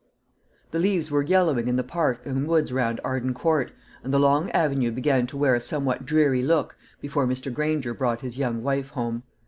The leaves were yellowing in the park and woods round Arden Court, and the long avenue began to wear a somewhat dreary look, before Mr. Granger brought his young wife home.